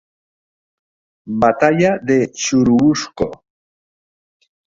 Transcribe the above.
Batalla de Churubusco.